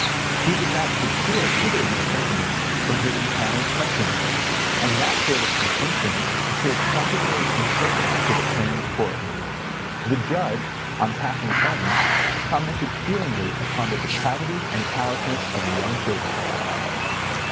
He did not conceal either of these sentiments from his empanelled countrymen, and that sort of compunction appeared shockingly imperfect to the crammed court. The judge on passing sentence commented feelingly upon the depravity and callousness of the young prisoner.